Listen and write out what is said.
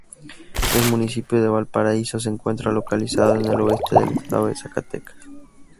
El municipio de Valparaíso se encuentra localizado en el oeste del Estado de Zacatecas.